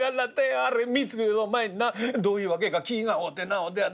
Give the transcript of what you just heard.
あれ３つきほど前になどういう訳か気ぃが合うてなほいでやな